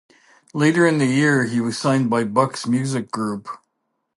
Later in the year he was signed by Bucks Music Group.